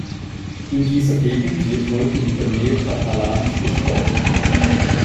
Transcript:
In dieser Gegend wird heute wieder mehr katalanisch gesprochen.